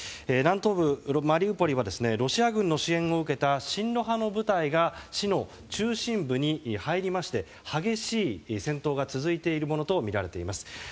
南東部マリウポリはロシア軍の支援を受けた親露派の部隊が市の中心部に入りまして激しい戦闘が続いているものとみられています。